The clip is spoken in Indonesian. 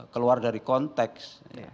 keluar dari konteks